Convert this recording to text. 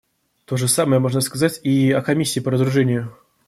То же самое можно сказать и о Комиссии по разоружению.